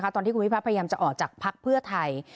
ตอนที่คุณพิพัฒน์พยายามจะออกจากพักเพื่อไทย